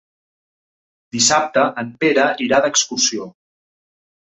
Dissabte en Pere irà d'excursió.